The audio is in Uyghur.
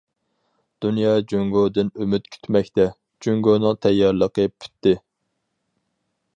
دۇنيا جۇڭگودىن ئۈمىد كۈتمەكتە، جۇڭگونىڭ تەييارلىقى پۈتتى.